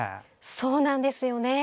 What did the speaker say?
そうなんですよね。